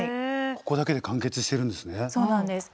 ここだけで完結してるんですね。